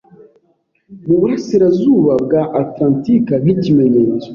mu burasirazuba bwa Atlantike nk'ikimenyetso